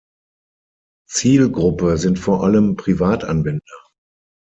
Zielgruppe sind vor allem Privatanwender.